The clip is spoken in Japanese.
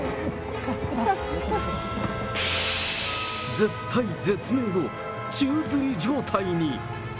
絶体絶命の宙づり状態に。